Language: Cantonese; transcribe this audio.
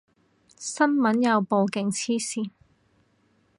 新聞有報，勁黐線